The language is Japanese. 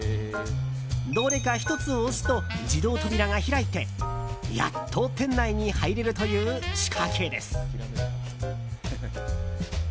どれか１つを押すと自動扉が開いてやっと店内に入れるという仕掛けです。